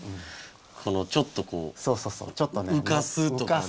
このちょっとこううかすとかね。